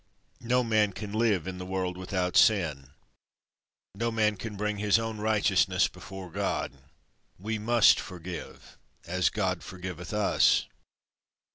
No man can live in the world without sin. No man can bring his own righteousness before God. We must forgive, as God forgiveth us.